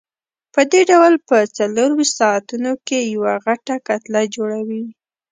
پدې ډول په څلورویشت ساعتونو کې یوه غټه کتله جوړوي.